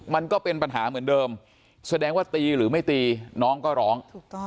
มันก็เป็นปัญหาเหมือนเดิมแสดงว่าตีหรือไม่ตีน้องก็ร้องถูกต้อง